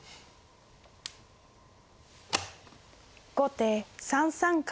後手３三角。